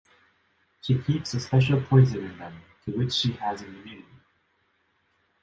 She keeps a special poison in them, to which she has an immunity.